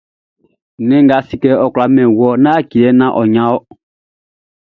Nnɛn nga a si kɛ ɔ kwla min wɔʼn, ɔ yaciman ɔ lɛ naan ɔ ɲin ɔ.